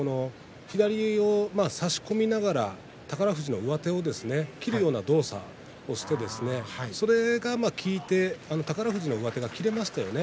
左を差し込みながら宝富士の上手をですね切るような動作をしてそれが効いて宝富士の上手が切れましたね。